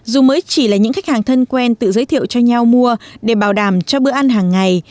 dù mới chỉ là những khách hàng thân quen tự giới thiệu cho nhau mua để bảo đảm cho bữa ăn hàng ngày